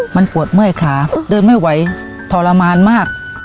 มันปวดเมื่อยขาเดินไม่ไหวทรมานมาก